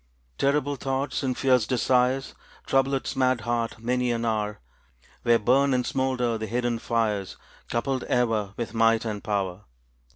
Terrible thoughts and fierce desires Trouble its mad heart many an hour, Where burn and smoulder the hidden fires, Coupled ever with might and power.